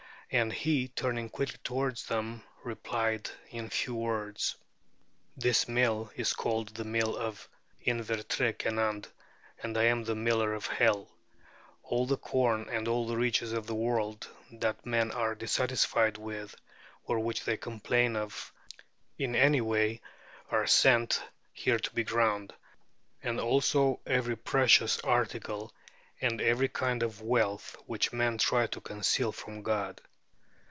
And he, turning quickly towards them, replied in a few words: "This mill is called the Mill of Inver tre Kenand, and I am the Miller of Hell. All the corn and all the riches of the world that men are dissatisfied with, or which they complain of in any way, are sent here to be ground; and also every precious article and every kind of wealth which men try to conceal from God.